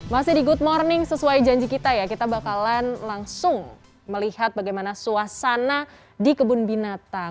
masih di good morning sesuai janji kita ya kita bakalan langsung melihat bagaimana suasana di kebun binatang